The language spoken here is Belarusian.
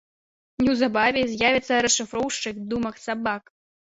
Неўзабаве з'явіцца расшыфроўшчык думак сабак.